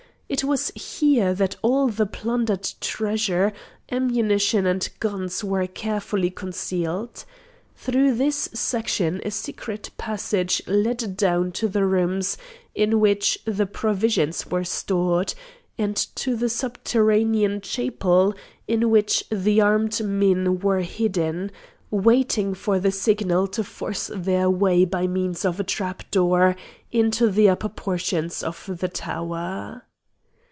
It was here that all the plundered treasure, ammunition and guns were carefully concealed. Through this section a secret passage led down to the rooms in which the provisions were stored, and to the subterranean "chapel" in which the armed men were hidden, waiting for the signal to force their way by means of a trap door into the upper portions of the tower.